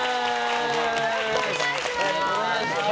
よろしくお願いします。